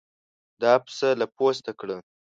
دا پسه له پوسته کړه.